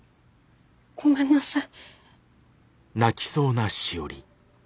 ごめんなさい。